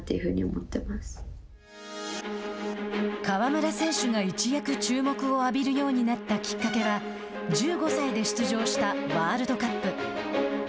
川村選手が一躍注目を浴びるようになったきっかけは１５歳で出場したワールドカップ。